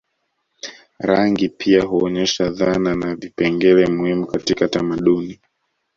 Rangi pia huonyesha dhana na vipengele muhimu katika tamaduni